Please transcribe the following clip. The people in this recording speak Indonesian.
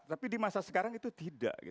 tapi di masa sekarang itu tidak